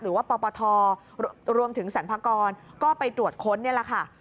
ปปทรวมถึงสรรพากรก็ไปตรวจค้นนี่แหละค่ะ